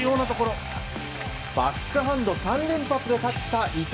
バックハンド３連発で勝った伊藤。